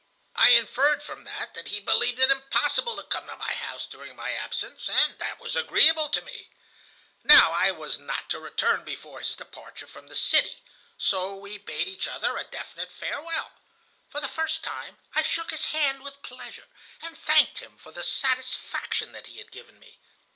I inferred from that that he believed it impossible to come to my house during my absence, and that was agreeable to me. Now I was not to return before his departure from the city. So we bade each other a definite farewell. For the first time I shook his hand with pleasure, and thanked him for the satisfaction that he had given me.